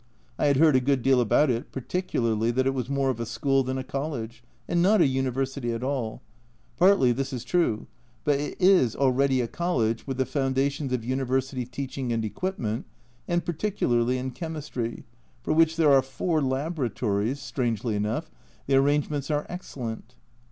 I had heard a good deal about it, particularly that it was more of a school than a College, and not a University at all partly this is true, but it is already a College with the foundations of University teaching and equipment, and particularly in chemistry, for which there are four laboratories, strangely enough, the arrangements are excellent.